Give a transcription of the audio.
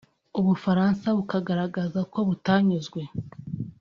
u Bufaransa bukagaragaza ko butanyuzwe